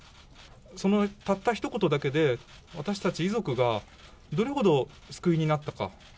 そのたったひと言だけで、私たち遺族が、どれほど救いになったか。